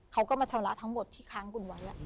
เขาก็มาชำระทั้งหมดที่ค้างคุณไว้